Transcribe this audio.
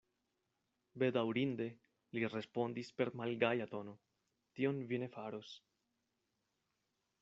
Bedaŭrinde, li respondis per malgaja tono, tion vi ne faros.